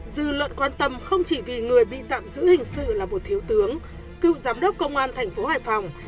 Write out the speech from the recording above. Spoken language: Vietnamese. dư luận quan tâm không chỉ vì người bị tạm giữ hình sự là một thiếu tướng cựu giám đốc công an thành phố hải phòng